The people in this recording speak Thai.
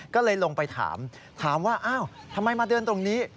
ก็เลยลงไปถามถามว่าอ้าวทำไมมาเดินตรงนี้